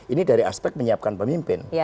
ini dari aspek menyiapkan pemimpin